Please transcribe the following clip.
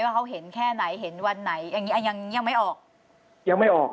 เขาเห็นแค่ไหนเห็นวันไหนอย่างงี้อ่ะยังยังไม่ออกยังไม่ออก